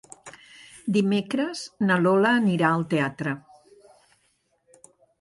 Dimecres na Lola anirà al teatre.